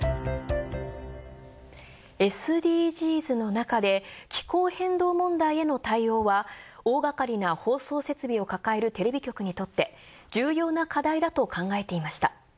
ＳＤＧｓの中で気候変動問題への対応は大がかりな放送設備を抱えるテレビ局にとって重要な課題だと考えていました。